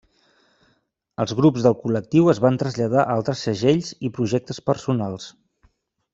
Els grups del col·lectiu es van traslladar a altres segells i projectes personals.